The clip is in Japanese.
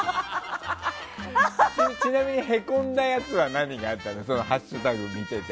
ちなみにへこんだやつは何があったの？